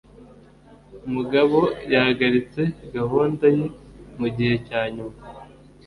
Mugabo yahagaritse gahunda ye mugihe cyanyuma.